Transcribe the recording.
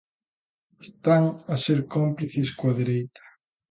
Están a ser cómplices coa dereita.